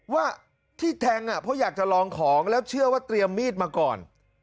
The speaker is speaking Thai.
ว่าที่แทงเพราะอยากจะลองของแล้วเชื่อว่าเตรียมมีดมาก่อน